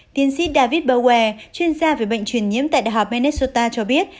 tiến sĩ david bauer chuyên gia về bệnh truyền nhiễm tại đại học minnesota cho biết